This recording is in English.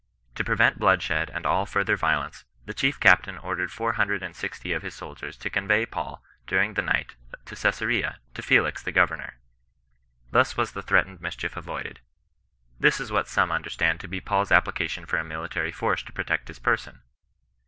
To prevent bloodshed and all further violence, the chief captain ordered four hundred and sixty of his soldiers to convey Paul during the night to Cesarea, to Felix the governor. Thus was the threat ened mischief avoided. This is what some understand to be Paul's application for a military force to protect his person.